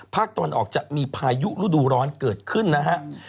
ภาคตะวันออกจะมีพายุรูดูร้อนเกิดขึ้นนะครับ